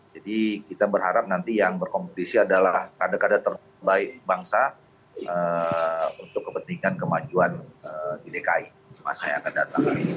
jadi kita berharap nanti yang berkompetisi adalah kader kader terbaik bangsa untuk kepentingan kemajuan di dki masa yang akan datang